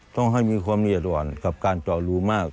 ต้องให้มีความละเอียดอ่อนกับการเจาะรูมาก